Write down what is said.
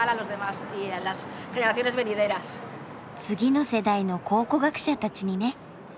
次の世代の考古学者たちにね。